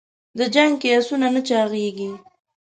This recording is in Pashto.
د جنګ کې اسونه نه چاغېږي.